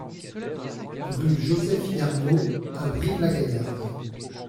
Rue Joseph Yernaux à Brive-la-Gaillarde